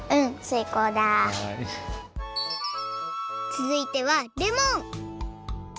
つづいてはレモン！